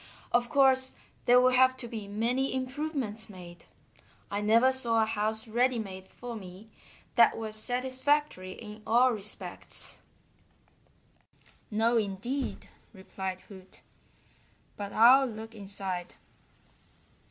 Of course, there will have to be many improvements made. I never saw a house ready made for me that was satisfactory in all respects." "No, indeed," replied Hoot. "But I'll look inside."